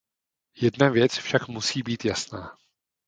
Jedna věc však musí být jasná.